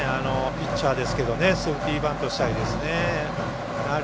ピッチャーですけどセーフティーバントしたり。